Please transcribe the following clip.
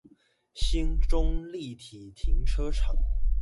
興中立體停車場